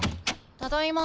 ただいま。